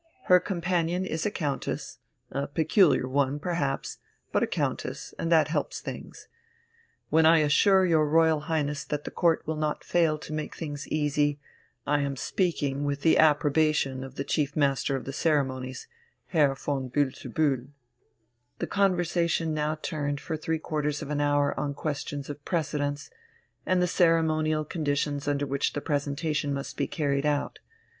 Her companion is a countess ... a peculiar one, perhaps, but a countess, and that helps things. When I assure your Royal Highness that the Court will not fail to make things easy, I am speaking with the approbation of the Chief Master of the Ceremonies, Herr von Bühl zu Bühl." The conversation now turned for three quarters of an hour on questions of precedence, and the ceremonial conditions under which the presentation must be carried out.